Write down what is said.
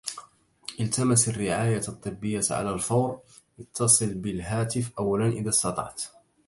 التمس الرعاية الطبية على الفور. اتصل بالهاتف أولاً إذا استطعت